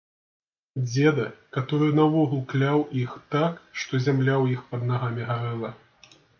Дзеда, каторы наогул кляў іх так, што зямля ў іх пад нагамі гарэла!